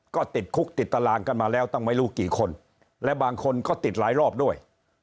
ก็ติดคุกติดตารางกันมาแล้วตั้งไม่รู้กี่คนและบางคนก็ติดหลายรอบด้วย